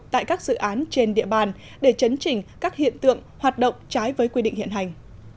tại các dự án trên địa bàn để chấn chỉnh các hiện tượng hoạt động trái với quy định hiện hành